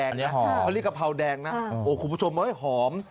อันนี้หอมอันนี้กระเพราแดงนะโอ้คุณผู้ชมโอ้ยหอม